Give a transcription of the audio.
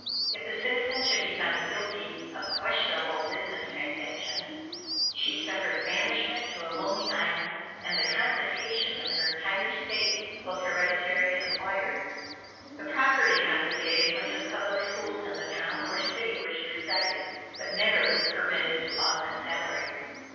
If a citizen should be found guilty of questionable business transactions, she suffered banishment to a lonely island and the confiscation of her entire estate, both hereditary and acquired. The property confiscated went to the public schools in the town or city where she resided; but never was permitted to augment salaries.